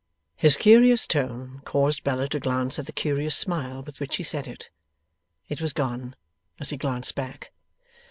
His curious tone caused Bella to glance at the curious smile with which he said it. It was gone as he glanced back.